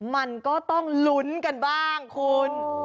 มันก็ต้องลุ้นกันบ้างคุณ